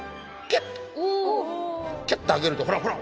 キュッと上げるとほらほら！